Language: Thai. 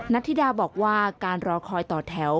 ธิดาบอกว่าการรอคอยต่อแถว